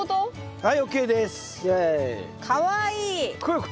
はい。